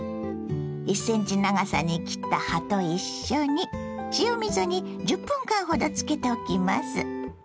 １ｃｍ長さに切った葉と一緒に塩水に１０分間ほどつけておきます。